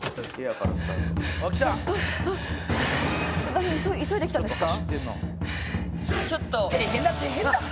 何急いで来たんですか？